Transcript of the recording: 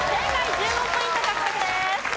１５ポイント獲得です。